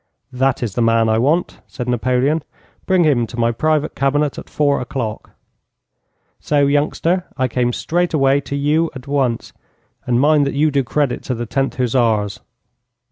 '"That is the man I want," said Napoleon. "Bring him to my private cabinet at four o'clock." 'So, youngster, I came straight away to you at once, and mind that you do credit to the 10th Hussars.'